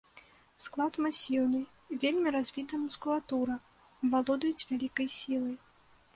Склад масіўны, вельмі развіта мускулатура, валодаюць вялікай сілай.